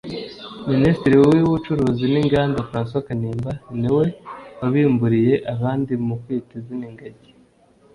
Minisitiri w’Ubucuruzi n’Inganda Francois Kanimba ni we wabimburiye abandi mu kwita izina Ingagi